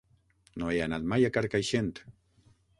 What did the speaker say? No he anat mai a Carcaixent.